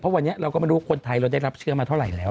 วันนี้เราก็ไม่รู้คนไทยเราได้รับเชื้อมาเท่าไหร่แล้ว